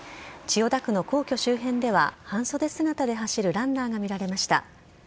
千代田区の皇居周辺では、半袖姿で走るランナーが見られました。